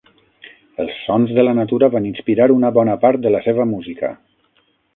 Els sons de la natura van inspirar una bona part de la seva música.